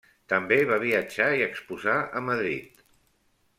També va viatjar i exposar a Madrid.